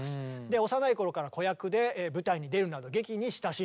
で幼い頃から子役で舞台に出るなど劇に親しんでいたと。